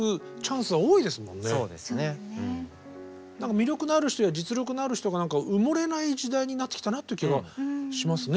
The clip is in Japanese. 魅力のある人や実力のある人が埋もれない時代になってきたなっていう気がしますね。